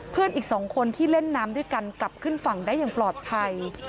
เพื่อนอีก๒คนที่เล่นน้ำด้วยกันกลับขึ้นฝั่งได้อย่างปลอดภัย